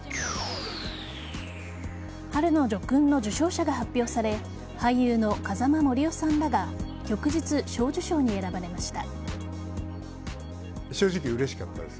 春の叙勲の受章者が発表され俳優の風間杜夫さんらが旭日小綬章に選ばれました。